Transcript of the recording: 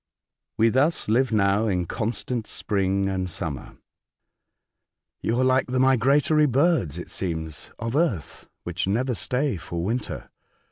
We thus live now in constant spring and summer." " You are like the migratory birds, it seems, of earth, which never stay for winter.